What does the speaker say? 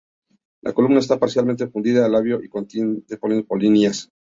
La columna está parcialmente fundida al labio y contiene ocho polinias.